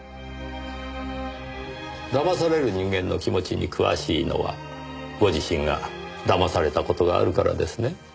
騙される人間の気持ちに詳しいのはご自身が騙された事があるからですね？